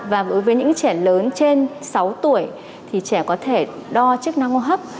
và với những trẻ lớn trên sáu tuổi thì trẻ có thể đo chức năng hấp